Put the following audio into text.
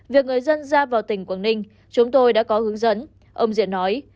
việc người dân ra vào tỉnh quảng ninh chúng tôi đã có hướng dẫn ông diện nói